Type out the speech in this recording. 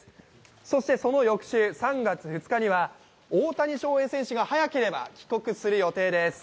そして、その翌週３月２日には大谷翔平選手が早ければ帰国する予定です。